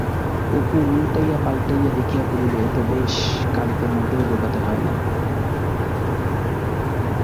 অপু উলটাইয়া-পালটাইয়া দেখিয়া বলিল, এ তো বেশ, কালিতে মোটে ডোবাতে হয় না!